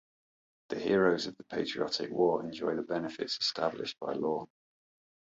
The Heroes of the Patriotic War enjoy the benefits established by law.